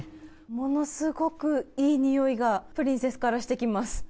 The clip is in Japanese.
ものすごくいい匂いがプリンセスからしてきます。